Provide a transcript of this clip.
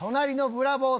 ブラボー！！